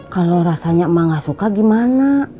kalau rasanya emang gak suka gimana